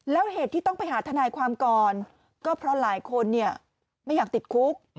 แล้วเหตุที่ต้องไปหาทนายความก่อนก็เพราะหลายคนไม่อยากติดคุก